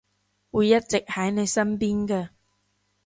會一直喺你身邊㗎